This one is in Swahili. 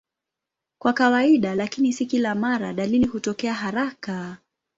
Kwa kawaida, lakini si kila mara, dalili hutokea haraka.